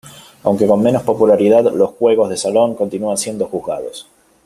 Aunque con menos popularidad, los juegos de salón continúan siendo jugados.